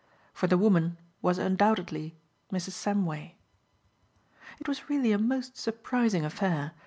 For the woman was undoubtedly Mrs. Samway. It was really a most surprising affair.